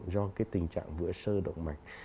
do cái tình trạng vựa sơ động mạch